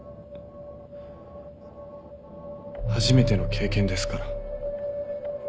初めての経験ですから。